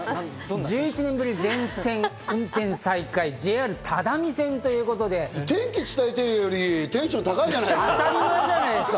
１１年ぶり全線運転再開、ＪＲ只見線。ということで天気伝えてるより当たり前じゃないですか。